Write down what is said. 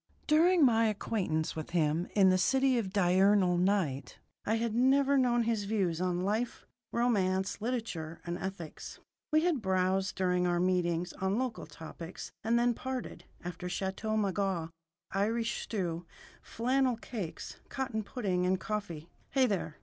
During my acquaintance with him in the City of Diurnal Night I had never known his views on life, romance, literature, and ethics. We had browsed, during our meetings, on local topics, and then parted, after Chateau Margaux, Irish stew, flannel cakes, cottage pudding, and coffee (hey, there!